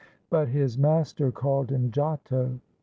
But his master called him GIOTTO.